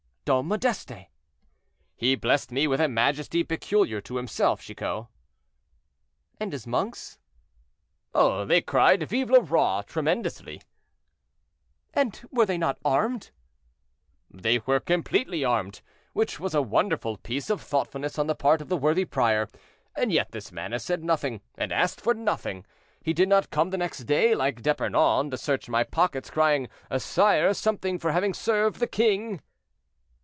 "Dom Modeste." "He blessed me with a majesty peculiar to himself, Chicot." "And his monks?" "They cried 'Vive le Roi!' tremendously." "And were they not armed?" "They were completely armed, which was a wonderful piece of thoughtfulness on the part of the worthy prior; and yet this man has said nothing, and asked for nothing. He did not come the next day, like D'Epernon, to search my pockets, crying, 'Sire, something for having saved the king.'"